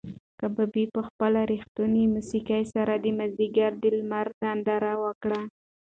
کبابي په خپله رښتونې موسکا سره د مازدیګر د لمر ننداره وکړه.